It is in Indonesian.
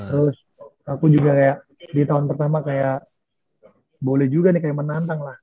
terus aku juga kayak di tahun pertama kayak boleh juga nih kayak menantang lah